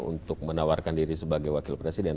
untuk menawarkan diri sebagai wakil presiden